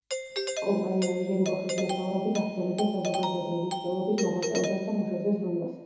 კომპანია ეჟენ ბოხის მეთაურობით აგრძელებდა საზოგადოებრივი მნიშვნელობის მოღვაწეობას და მუშებზე ზრუნვას.